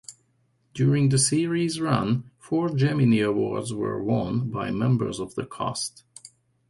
During the series' run, four Gemini Awards were won by members of the cast.